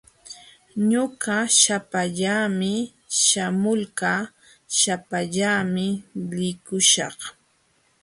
Ñuqa shapallaami shamulqaa, shapallaami likuśhaq.